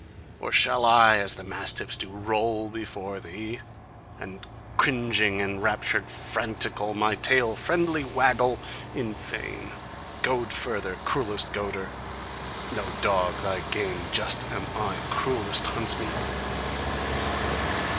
Or shall I, as the mastiffs do, Roll me before thee? And cringing, enraptured, frantical, My tail friendly waggle! In vain! Goad further! Cruellest goader! No dog thy game just am I, Cruellest huntsman!